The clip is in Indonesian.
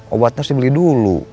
obatnya harus dibeli dulu